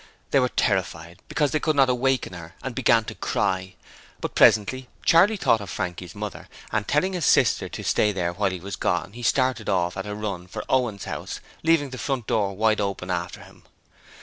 They were terrified, because they could not awaken her and began to cry, but presently Charley thought of Frankie's mother and, telling his sister to stay there while he was gone, he started off at a run for Owen's house, leaving the front door wide open after him.